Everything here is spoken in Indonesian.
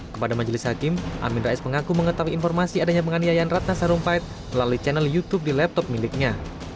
kepada majelis hakim amin rais mengaku mengetahui informasi adanya penganiayaan ratna sarumpait melalui channel youtube di laptop miliknya